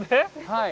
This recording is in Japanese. はい。